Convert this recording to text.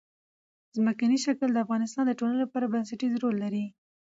ځمکنی شکل د افغانستان د ټولنې لپاره بنسټيز رول لري.